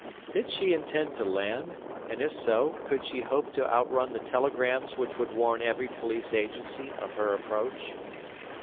Did she intend to land, and if so, could she hope to outrun the telegrams which would warn every police agency of her approach?